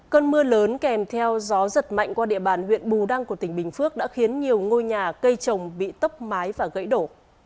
cơn mưa lớn kèm theo gió giật mạnh qua địa bàn huyện bù đăng của tỉnh bình phước đã khiến nhiều ngôi nhà cây trồng bị tốc mái và gãy đổ